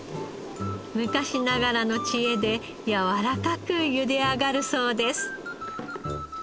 昔ながらの知恵でやわらかくゆで上がるそうです。